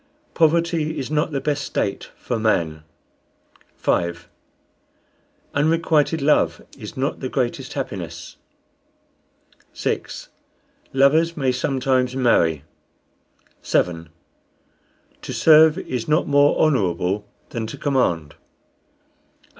Poverty is not the best state for man. 5. Unrequited love is not the greatest happiness. 6. Lovers may sometimes marry. 7. To serve is not more honorable than to command. 8.